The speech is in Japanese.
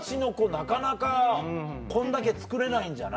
なかなかこんだけ作れないんじゃない？